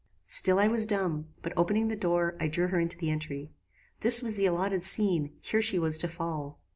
"Still I was dumb; but opening the door, I drew her into the entry. This was the allotted scene: here she was to fall.